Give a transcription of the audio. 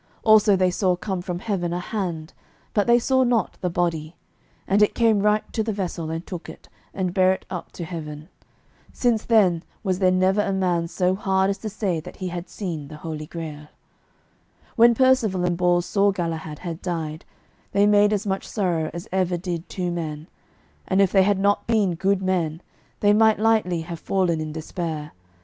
Also they saw come from heaven a hand, but they saw not the body; and it came right to the vessel, and took it, and bare it up to heaven. Since then was there never man so hard as to say that he had seen the Holy Grail. When Percivale and Bors saw Galahad had died, they made as much sorrow as ever did two men; and if they had not been good men, they might lightly have fallen in despair.